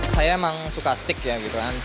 saya emang suka stick ya gitu kan